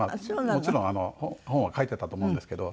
もちろん本は書いていたと思うんですけど。